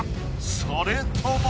それとも？